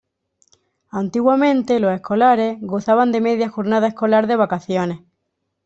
Antiguamente, los escolares gozaban de media jornada escolar de vacaciones.